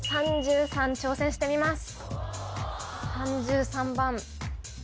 ３３挑戦してみます